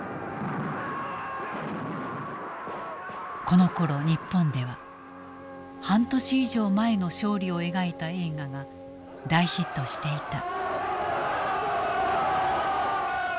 このころ日本では半年以上前の勝利を描いた映画が大ヒットしていた。